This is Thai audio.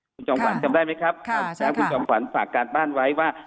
คุณจอมขวัญจำได้ไหมครับคุณจอมขวัญฝากการบ้านไว้ว่า